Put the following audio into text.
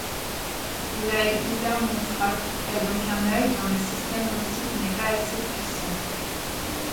L’œil hypermétrope est donc un œil dont le système optique n'est pas assez puissant.